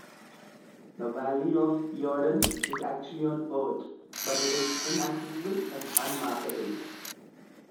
The valley of Eodon is actually on Earth, but it is inaccessible and unmappable.